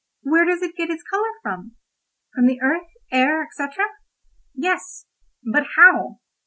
Where does it get its colour from? From the earth, air, &c.? Yes—but how?